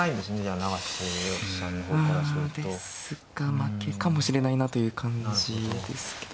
負けかもしれないなという感じですけど。